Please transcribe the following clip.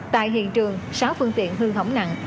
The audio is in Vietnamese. tại hiện trường sáu phương tiện hư hỏng nặng